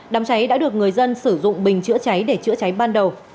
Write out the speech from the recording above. đám cháy đã được người dân sử dụng bình chữa cháy để chữa cháy ban đầu